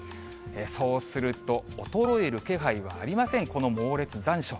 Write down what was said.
そうすると、衰える気配はありません、この猛烈残暑。